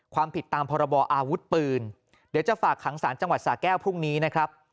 ความผิดตามพรบออาวุธปืนเดี๋ยวจะฝากขังสารจังหวัดสาแก้วพรุ่งนี้นะครับ